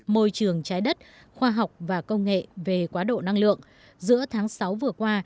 môi trường trái đất khoa học và công nghệ về quá độ năng lượng giữa tháng sáu vừa qua